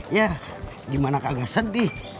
ya gimana kagak sedih